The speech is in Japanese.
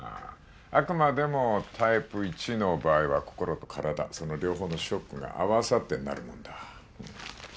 あくまでもタイプ１の場合は心と体その両方のショックが合わさってなるものだ。